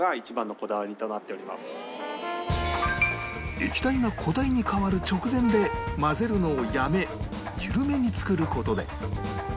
液体が固体に変わる直前で混ぜるのをやめ緩めに作る事で